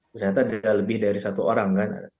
ternyata tidak lebih dari satu orang